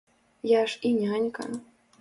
Я ж і нянька.